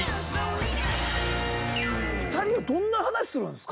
２人はどんな話するんですか？